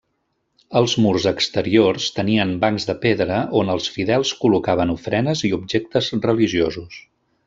Els murs exteriors tenien bancs de pedra on els fidels col·locaven ofrenes i objectes religiosos.